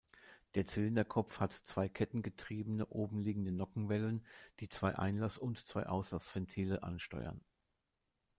Der Zylinderkopf hat zwei kettengetriebene obenliegende Nockenwellen, die zwei Einlass- und zwei Auslassventile ansteuern.